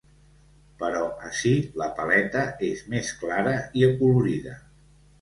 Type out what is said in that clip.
Però ací la paleta és més clara i acolorida.